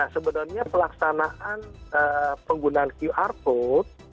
sebenarnya pelaksanaan penggunaan qr code